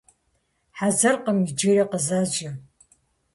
Хьэзыркъым иджыри, къызэжьэ.